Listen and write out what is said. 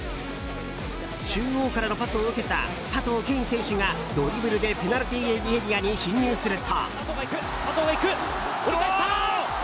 中央からのパスを受けた佐藤恵允選手がドリブルでペナルティーエリアに侵入すると。